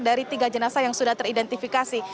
dari tiga jenazah yang sudah teridentifikasi